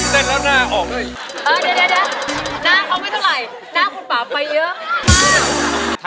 เดี๋ยว